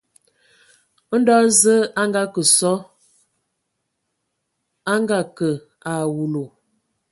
Ndo Zəə a akə sɔ a a ngakǝ a awulu.